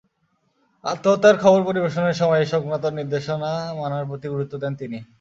আত্মহত্যার খবর পরিবেশনের সময় এ–সংক্রান্ত নির্দেশনা মানার প্রতি গুরুত্ব দেন তিনি।